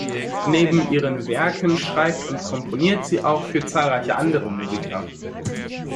Neben ihren Werken schreibt und komponiert sie auch für zahlreiche andere Musiker.